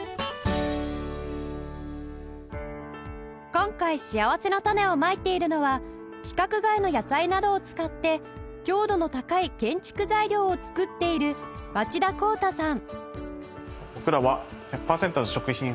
今回しあわせのたねをまいているのは規格外の野菜などを使って強度の高い建築材料を作っている町田紘太さん